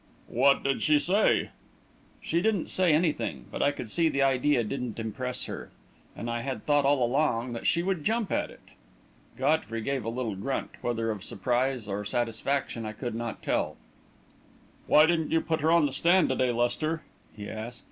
"What did she say?" "She didn't say anything, but I could see the idea didn't impress her. And I had thought all along that she would jump at it." Godfrey gave a little grunt, whether of surprise or satisfaction I could not tell. "Why didn't you put her on the stand to day, Lester?" he asked.